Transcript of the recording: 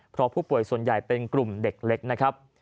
เพราะผู้ป่วยส่วนใหญ่เป็นกลุ่มเด็กเล็กนะครับ